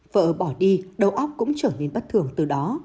vợ bỏ đi đầu óc cũng trở nên bất thường từ đó